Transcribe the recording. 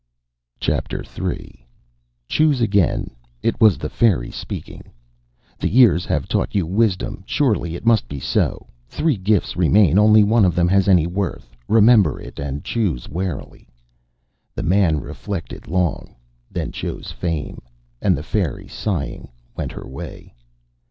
Chapter III "Choose again." It was the fairy speaking. "The years have taught you wisdom surely it must be so. Three gifts remain. Only one of them has any worth remember it, and choose warily." The man reflected long, then chose Fame; and the fairy, sighing, went her way.